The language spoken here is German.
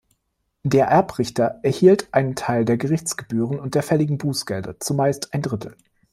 Der Erbrichter erhielt einen Teil der Gerichtsgebühren und der fälligen Bußgelder, zumeist ein Drittel.